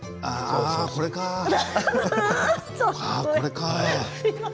ああ、これか。